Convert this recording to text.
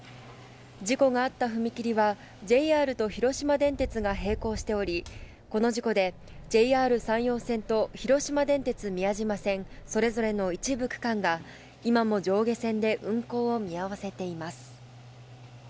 事故があった踏切はＪＲと広島電鉄が並行しており、この事故でＪＲ山陽線と広島電鉄・宮島線それぞれの一部区間が今も上下線で運行を見合わせています。